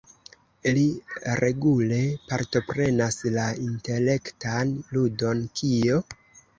Li regule partoprenas la intelektan ludon "Kio?